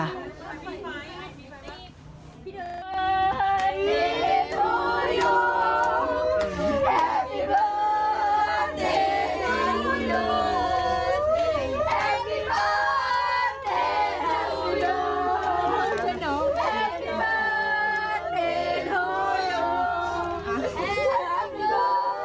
แฮปปี้เบิร์ตเดย์แฮปปี้โนโย